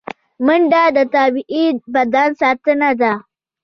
منډه د طبیعي بدن ساتنه ده